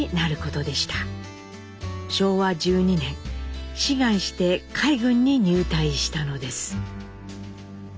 昭和１２年志願して海軍に入隊したのです。